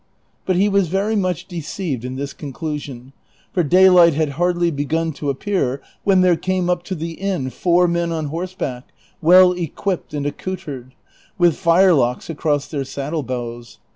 But he was very much deceived in this conclusion, for day light had hardly begun to appear when there came up to the inn four men on horseback, well equipped and accoutred, with firelocks across their saddle bows.